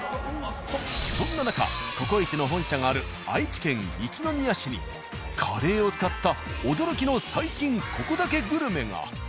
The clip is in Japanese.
そんな中「ココイチ」の本社がある愛知県一宮市にカレーを使った驚きの最新ココだけグルメが。